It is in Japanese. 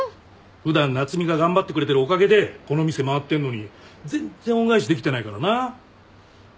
普段夏海が頑張ってくれてるおかげでこの店回ってんのに全然恩返しできてないからな。